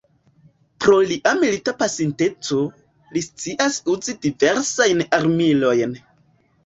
Pro lia milita pasinteco, li scias uzi diversajn armilojn.